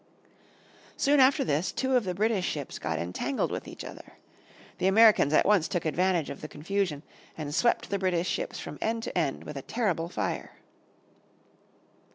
Soon after this, two of the British ships got entangled with each other. The Americans at once took advantage of the confusion and swept the British ships from end to end with a terrible fire.